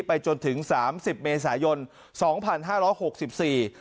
ไปจนถึงสามสิบเมษายนสองพันห้าร้อยหกสิบสี่